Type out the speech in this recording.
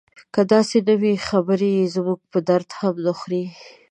که داسې نه وي خبرې یې زموږ په درد هم نه خوري.